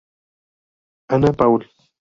Anna Paul.